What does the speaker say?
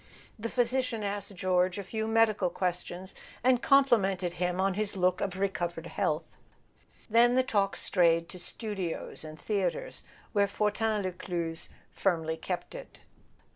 The physician asked George a few medical questions, and complimented him on his look of recovered health; then the talk strayed to studios and threatres, where Fortin Lescluze firmly kept it.